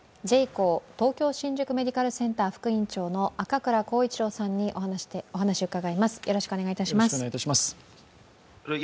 東京新宿メディカルセンター副院長の赤倉功一郎さんにお話を伺います。